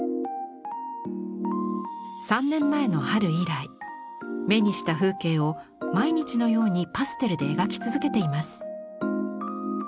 ３年前の春以来目にした風景を毎日のようにパステルで描き続けています。